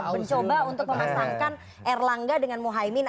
mencoba untuk memasangkan erlangga dengan mohaimin